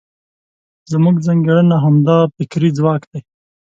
زموږ ځانګړنه همدا فکري ځواک دی.